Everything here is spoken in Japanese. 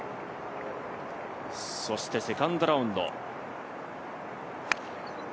そしてセカンドラウンド。